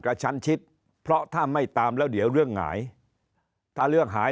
กระชั้นชิดเพราะถ้าไม่ตามแล้วเดี๋ยวเรื่องหงายถ้าเรื่องหาย